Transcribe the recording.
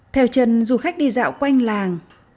theo trần du khách đi dạo quanh làng